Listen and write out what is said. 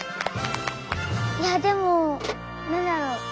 いやでもなんだろう。